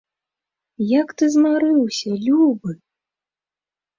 Як ты змарыўся, любы!